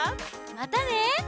またね！